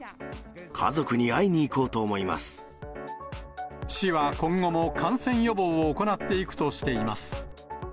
家族に会いに行こうと思いま市は今後も、感染予防を行っていくとしています。